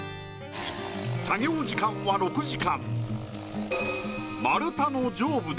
作業時間は６時間。